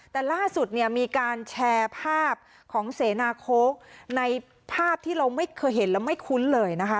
แต่ล่าสุดเนี่ยมีการแชร์ภาพของเสนาโค้กในภาพที่เราไม่เคยเห็นแล้วไม่คุ้นเลยนะคะ